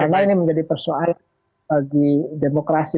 karena ini menjadi persoalan bagi demokrasi